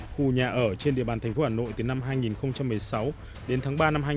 khu nhà ở trên địa bàn tp hà nội từ năm hai nghìn một mươi sáu đến tháng ba năm hai nghìn một mươi chín